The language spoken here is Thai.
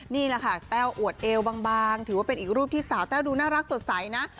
นี่แหละค่ะแต้วอวดเอวบางถือว่าเป็นอีกรูปที่สาวแต้วดูน่ารักสดใสนะ